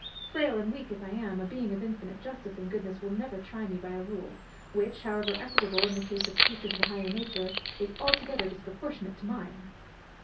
Frail and weak as I am, a Being of infinite justice and goodness will never try me by a rule, which however equitable in the case of creatures of a higher nature, is altogether disproportionate to mine."